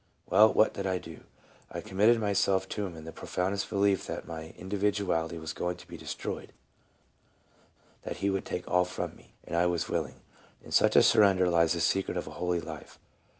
Well, what did I do? / committed my self to Him in the prof oundest belief that my individuality was going to be destroyed, that He would take all from me, and 1 was willing. In such a surrender lies the secret of a holy life.